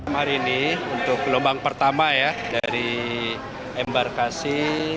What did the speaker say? hari ini untuk gelombang pertama ya dari embarkasi